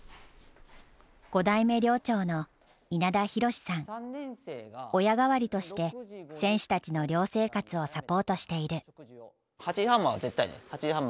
５代目寮長の親代わりとして選手たちの寮生活をサポートしている。